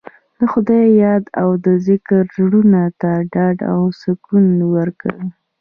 د خدای یاد او ذکر زړونو ته ډاډ او سکون ورکوي.